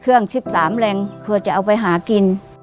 เครื่อง๑๓แรงเผื่อจะเอาไปหากิน